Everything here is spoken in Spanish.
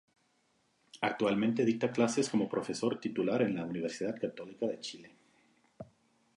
Actualmente dicta clases como profesor titular en la Universidad Católica de Chile.